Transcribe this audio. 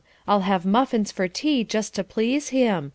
I'll have muffins for tea just to please him.